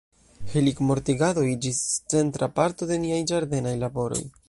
Helikmortigado iĝis centra parto de niaj ĝardenaj laboroj.